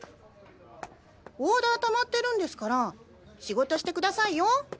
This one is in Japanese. オーダーたまってるんですから仕事してくださいよ。